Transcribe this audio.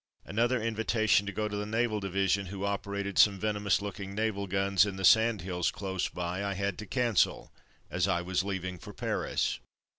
Another invitation to go to the Naval Division who operated some venomous looking naval guns in the sand hills close by, I had to cancel as I was leav ing for Paris.